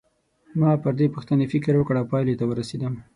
ما پر دې پوښتنې فکر وکړ او پایلې ته ورسېدم.